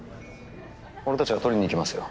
俺たちが取りに行きますよ。